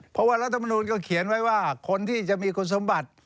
เพราะว่ารัฐมนูลก็เขียนไว้ว่าคนที่จะมีคุณสมบัติ